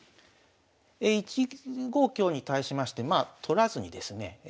１五香に対しましてまあ取らずにですね